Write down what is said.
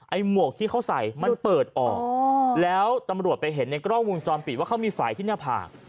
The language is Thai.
หมวกที่เขาใส่มันเปิดออกแล้วตำรวจไปเห็นในกล้องวงจรปิดว่าเขามีฝ่ายที่หน้าผาก